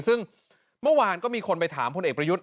ซึ่งเมื่อวานก็มีคนไปถามพลเอกประยุทธ์